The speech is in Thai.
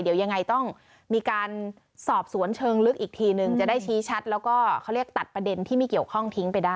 เดี๋ยวยังไงต้องมีการสอบสวนเชิงลึกอีกทีหนึ่ง